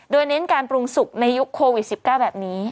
โดยเน้นการปรุงสุกในยุคโควิด๑๙แบบนี้